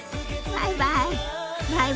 バイバイ。